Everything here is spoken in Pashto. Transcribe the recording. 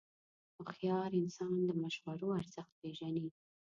هوښیار انسان د مشورو ارزښت پېژني.